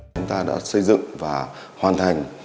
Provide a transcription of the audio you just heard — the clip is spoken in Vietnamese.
chúng ta đã xây dựng và hoàn thành